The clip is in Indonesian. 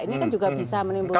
ini kan juga bisa menimbulkan